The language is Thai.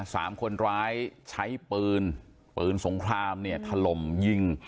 คนร้ายใช้ปืนปืนสงครามเนี่ยถล่มยิง